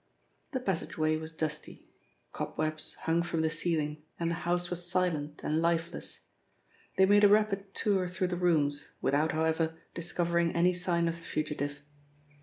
The passage way was dusty. Cobwebs hung from the ceiling and the house was silent and lifeless. They made a rapid tour through the rooms, without, however, discovering any sign of the fugitive.